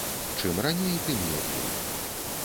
Чым раней, тым лепей.